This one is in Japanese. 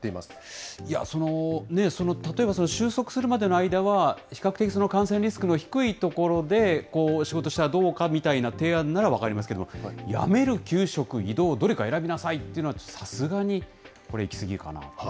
例えば収束するまでの間は、比較的感染リスクの低い所で仕事したらどうかみたいな提案なら分かりますけど、辞める、休職、異動、どれか選びなさいというのはさすがにこれ、行き過ぎ